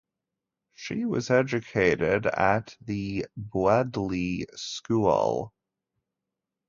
She was educated at The Bewdley School.